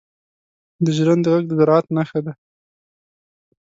• د ژرندې ږغ د زراعت نښه ده.